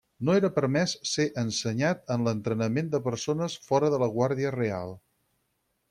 No era permès ser ensenyat en l'entrenament de persones fora de la guàrdia real.